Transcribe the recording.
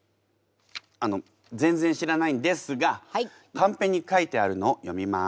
あの全然知らないんですがカンペに書いてあるのを読みます。